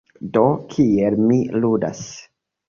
Do, kiel mi ludas?